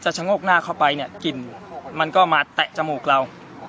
ชะโงกหน้าเข้าไปเนี่ยกลิ่นมันก็มาแตะจมูกเรา